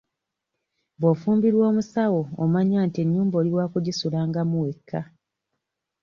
Bw'ofumbirwa omusawo omanya nti ennyumba oli wakugisulangamu wekka.